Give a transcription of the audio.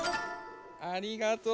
ありがとう！